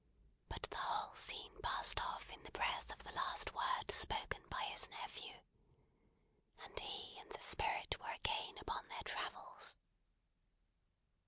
But the whole scene passed off in the breath of the last word spoken by his nephew; and he and the Spirit were again upon their travels.